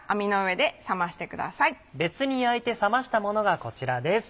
別に焼いて冷ましたものがこちらです。